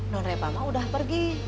don reva mah udah pergi